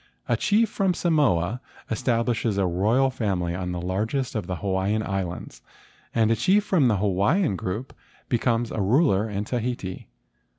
A chief from Samoa establishes a royal family on the largest of the Hawaiian Islands, and a chief from the Hawaiian group becomes a ruler in Tahiti.